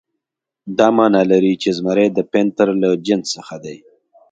دا معنی لري چې زمری د پینتر له جنس څخه دی.